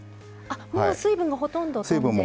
あもう水分がほとんどとんで。